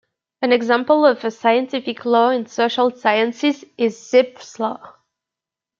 An example of a scientific law in social sciences is Zipf's law.